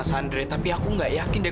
mas andre tapi aku gak yakin deh